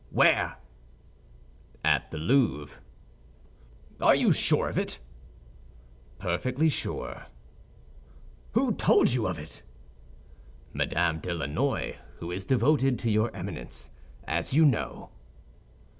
"Where?" "At the Louvre." "Are you sure of it?" "Perfectly sure." "Who told you of it?" "Madame de Lannoy, who is devoted to your Eminence, as you know."